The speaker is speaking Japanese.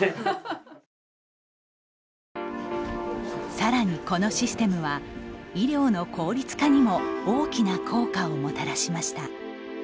さらにこのシステ厶は医療の効率化にも大きな効果をもたらしました。